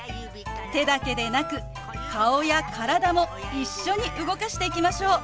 手だけでなく顔や体も一緒に動かしていきましょう！